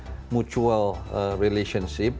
relationship antara antara antara